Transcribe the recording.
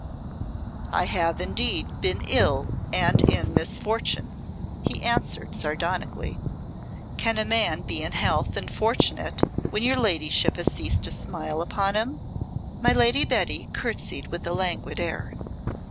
"I have indeed been ill and in misfortune," he answered, sardonically. "Can a man be in health and fortunate when your ladyship has ceased to smile upon him?" My Lady Betty courtesied with a languid air.